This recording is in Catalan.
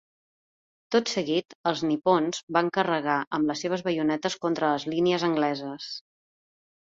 Tot seguit, els nipons van carregar amb les seves baionetes contra les línies angleses.